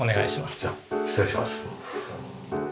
じゃあ失礼します。